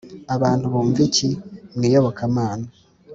abantu bumva iki?- mu iyobokamana